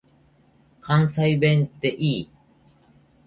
関西弁って良い。